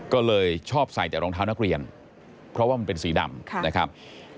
ก็เลยชอบใส่แต่รองเท้านักเรียนเพราะว่ามันเป็นสีดำนะครับ